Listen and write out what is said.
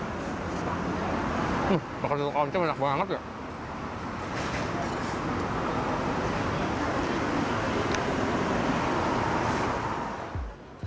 hmm makan di tuang tuang enak banget ya